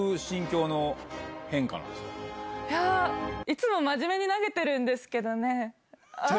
あれ、いやぁ、いつも真面目に投げてるんですけどね。